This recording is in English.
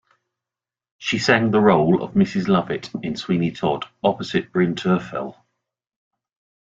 She sang the role of Mrs. Lovett in "Sweeney Todd" opposite Bryn Terfel.